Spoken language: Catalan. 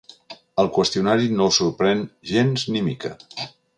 El qüestionari no el sorprèn gens ni mica.